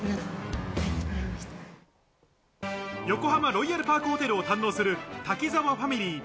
横浜ロイヤルパークホテルを堪能する滝沢ファミリー。